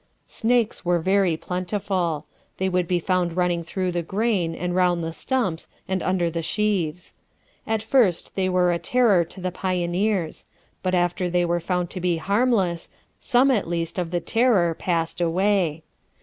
Snakes were very plentiful; they would be found running through the grain, and round the stumps, and under the sheaves. At first they were a terror to the pioneers, but after they were found to be harmless, some at least of the terror passed away.